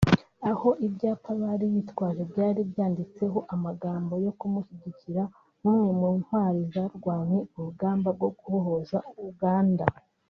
aho ibyapa bari bitwaje byari byanditseho amagambo yo kumushyigikira nk’umwe mu ntwari zarwanye urugamba rwo kubohora Uganda